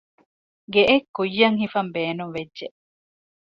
ގެއެއް ކުއްޔަށް ހިފަންބޭނުންވެއްޖެ